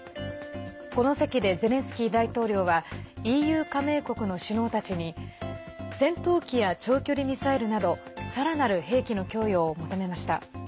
この席で、ゼレンスキー大統領はＥＵ加盟国の首脳たちに戦闘機や長距離ミサイルなどさらなる兵器の供与を求めました。